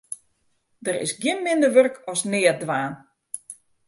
Der is gjin minder wurk as neatdwaan.